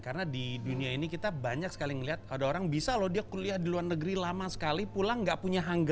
karena di dunia ini kita banyak sekali ngelihat ada orang bisa loh dia kuliah di luar negeri lama sekali pulang gak punya hangga